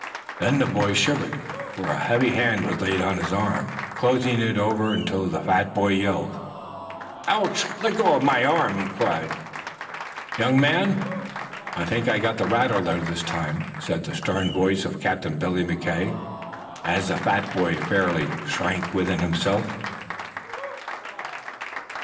Then the boy shivered, for a heavy hand was laid on his arm, closing over it until the fat boy yelled. "Ouch! Let go of my arm!" he cried. "Young man, I think I've got the rattler this time," said the stern voice of Captain Billy McKay, as the fat boy fairly shrank within himself.